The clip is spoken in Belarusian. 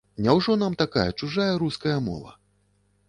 Няўжо нам такая чужая руская мова?